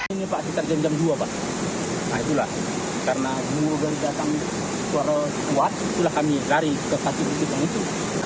ini pak kita jenjam dua pak nah itulah karena dua banjir akan suara kuat itulah kami ikari ke satu bibit yang itu